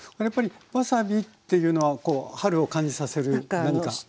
やっぱりわさびっていうのは春を感じさせる何か？